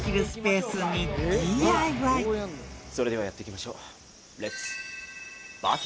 それではやっていきましょう。